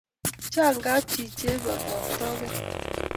Chan kapchi che pakaktakee